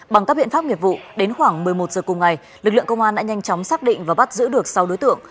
bằng các biện pháp nghiệp vụ đến khoảng một mươi một giờ cùng ngày lực lượng công an đã nhanh chóng xác định và bắt giữ được sáu đối tượng